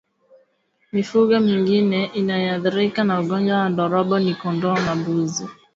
Mifugo mingine inayoathirika na ugonjwa wa ndorobo ni kondoo na mbuzi